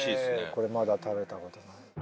これまだ食べたことない。